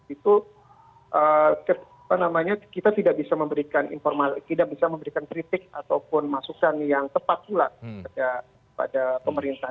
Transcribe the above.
itu kita tidak bisa memberikan kritik ataupun masukan yang tepat pula pada pemerintah